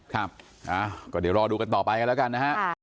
ครับก็เดี๋ยวรอดูกันต่อไปกันแล้วกันนะฮะ